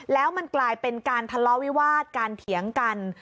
แล้วมันกลายเป็นการทะเลาะวิวาสการเถียงกัน